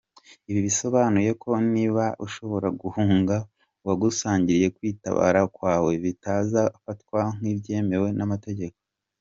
Ibi bisobanuye ko niba ushobora guhunga uwagusagariye kwitabara kwawe bitazafatwa nk’ibyemewe n’amategeko.